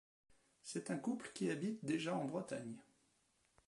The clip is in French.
C’est un couple qui habite déjà en Bretagne.